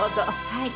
はい。